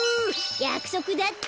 やくそくだ！っと。